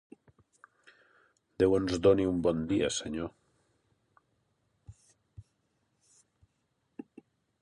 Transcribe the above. Déu ens doni un bon dia, senyor